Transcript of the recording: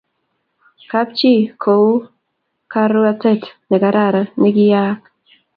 kap chii ko u karuatet ne kararan ni kiayak